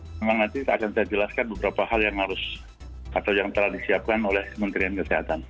memang nanti akan saya jelaskan beberapa hal yang harus atau yang telah disiapkan oleh kementerian kesehatan